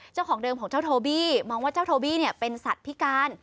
เจ้าของเดิมของเจ้าโทบี้มองว่าเจ้าโทบี้เนี่ยเป็นสัตว์พิการ